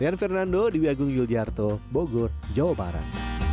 rian fernando di wi agung yulijarto bogor jawa barat